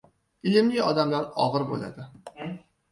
Ilmli odamlar og‘ir bo‘ladi